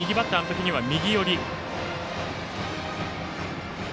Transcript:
定位置より、右バッターの時には右寄り。